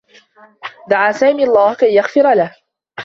دعى سامي الله كي يغفر له.